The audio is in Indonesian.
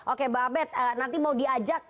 oke mbak abed nanti mau diajak